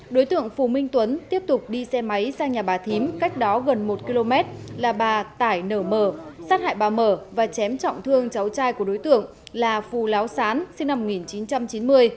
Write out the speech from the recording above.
đối tượng phù minh tuấn tiếp tục đi xe máy sang nhà bà thím cách đó gần một km là bà tải nở mờ sát hại bà mở và chém trọng thương cháu trai của đối tượng là phù láo sán sinh năm một nghìn chín trăm chín mươi